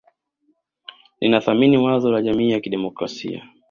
Ninathamini wazo la jamii ya kidemokrasia